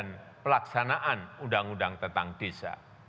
dan juga terhadap pelaksanaan undang undang tentang desa